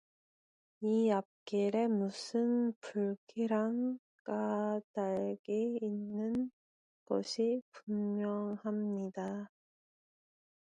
이 앞길에 무슨 불길한 까닭이 있는 것이 분명합니다.